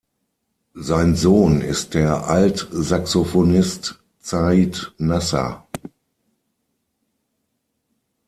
Sein Sohn ist der Altsaxophonist Zaid Nasser.